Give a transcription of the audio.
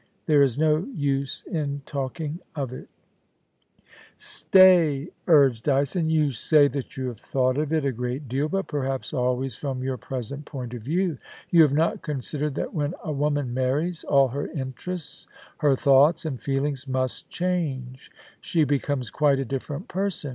There is no use in talking of it' d6 FOLIC Y AND PASSION. * Stay !' urged Dyson. * You say that you have thought of it a great deal, but perhaps always from your present point of view. You have not considered that when a woman marries, all her interests, her thoughts, and feelings must change. She becomes quite a different person.